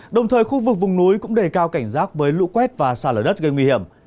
đồng thời khu vực vùng núi cũng đề cao cảnh giác với lũ quét và xa lở đất gây nguy hiểm